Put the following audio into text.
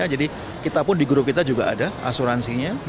jadi kita pun di grup kita juga ada asuransinya